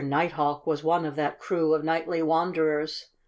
Nighthawk was one of that crew of nightly wanderers.